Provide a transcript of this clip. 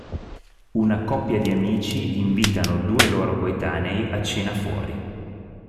Una coppia di amici, invitano due loro coetanee a cena fuori.